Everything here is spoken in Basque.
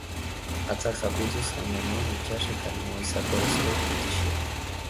Hatzak zupatuz jan genuen itsas eta limoi-zaporeko kutixia.